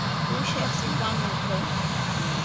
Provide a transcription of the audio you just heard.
Ushe see kwa motu.